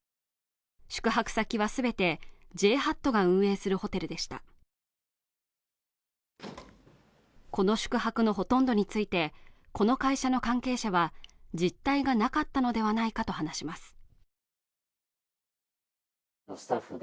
宿泊先は全てＪＨＡＴが運営するホテルでしたこの宿泊のほとんどについてこの会社の関係者は実態がなかったのではないかと話します